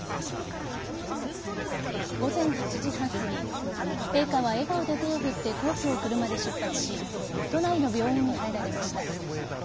午前８時半すぎ陛下は笑顔で手を振って皇居を車で出発し都内の病院に入られました。